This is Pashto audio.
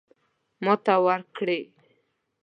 ماته ورکړي.